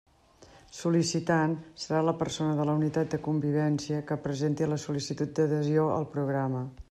Sol·licitant, serà la persona de la unitat de convivència que presenti la sol·licitud d'adhesió al programa.